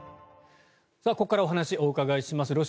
ここからはお話をお伺いします